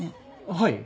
はい。